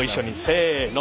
せの。